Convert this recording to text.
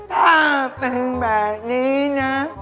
ถ้าเป็นแบบนี้นะ